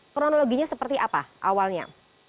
kronologinya seperti apa awalnya